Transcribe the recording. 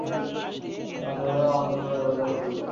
এই বিশ্বাসই আমাদের মানুষ করে, দেবতা করে তোলে।